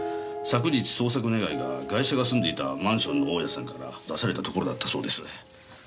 昨日捜索願がガイシャが住んでいたマンションの大家さんから出されたところだったそうです。